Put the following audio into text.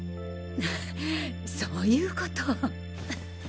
フッそういうこと。